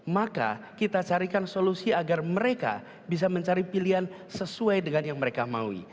maka kita carikan solusi agar mereka bisa mencari pilihan sesuai dengan yang mereka maui